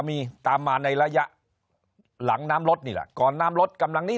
มีตามมาในระยะหลังน้ำรถนี่แหละก่อนน้ำรถกำลังนี้